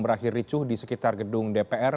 berakhir ricuh di sekitar gedung dpr